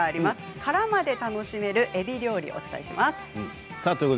殻まで楽しめるえび料理をお伝えします。